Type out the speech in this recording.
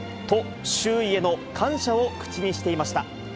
と、周囲への感謝を口にしていました。